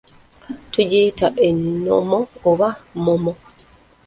Tugiyita enmo oba mmommo.